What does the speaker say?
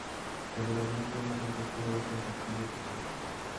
Seguramente un frente frío, bastante activo por cierto.